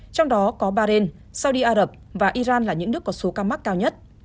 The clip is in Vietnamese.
trong đó có bahrain saudi arab và iran là những nước có số ca mắc cao nhất